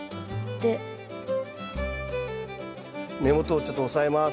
根元をちょっと押さえます。